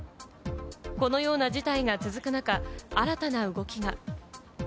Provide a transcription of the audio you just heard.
このような事態が続く中、新たな動きが。